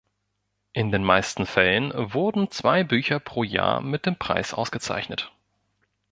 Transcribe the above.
In den meisten Fällen wurden zwei Bücher pro Jahr mit dem Preis ausgezeichnet.